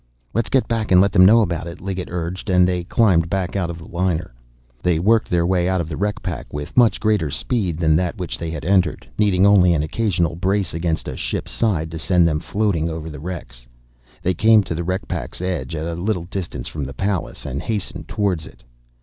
"Let's get back and let them know about it," Liggett urged, and they climbed back out of the liner. They worked their way out of the wreck pack with much greater speed than that with which they had entered, needing only an occasional brace against a ship's side to send them floating over the wrecks. They came to the wreck pack's edge at a little distance from the Pallas, and hastened toward it.